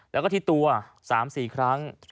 แล้วก็ที่ตัว๓๔ครั้ง